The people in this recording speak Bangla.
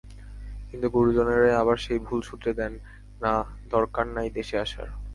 কিন্তু গুরুজনেরাই আবার সেই ভুল শুধরে দেন, না, দরকার নাই দেশে আসার।